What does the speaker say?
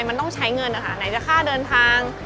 มันต้องใช้เงินนะคะไหนจะค่าเดินทาง